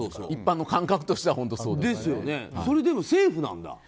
一般の感覚としてはそうですよね。